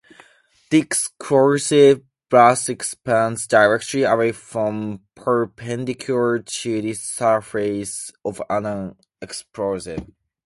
The explosive blast expands directly away from, perpendicular to, the surface of an explosive.